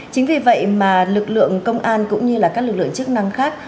chính vì vậy mà lực lượng công an cũng như các lực lượng chức năng khác